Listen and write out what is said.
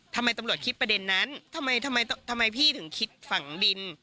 ทำไมตำรวจคิดประเด็นนั้นทำไมทำไมพี่ถึงคิดฝังดิน